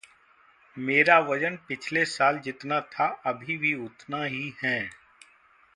मेरा वजन पिछले साल जितना था अभी भी उतना ही हैं।